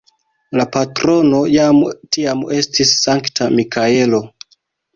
La patrono jam tiam estis Sankta Mikaelo.